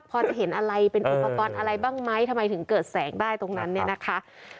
พอจะเห็นอะไรเป็นอุปกรณ์อะไรบ้างไหมทำไมถึงเกิดแสงได้ตรงนั้นเนี่ยนะคะ